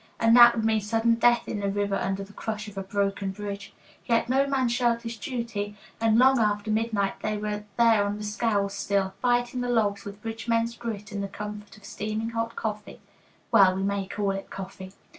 And that would mean sudden death in the river under the crush of a broken bridge. Yet no man shirked his duty, and long after midnight they were there on the scows still, fighting the logs with bridge men's grit and the comfort of steaming hot coffee well, we may call it coffee.